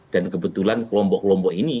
dan kebetulan kelompok kelompok ini